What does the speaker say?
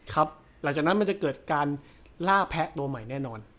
หลังจากนั้นมันจะเกิดการล่าแพะตัวใหม่แน่นอน